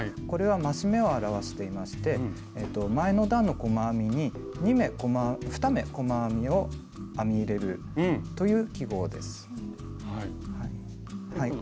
これは増し目を表していまして前の段の細編みに２目細編みを編み入れるという記号です。